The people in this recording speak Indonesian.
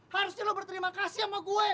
harusnya lo berterima kasih sama gue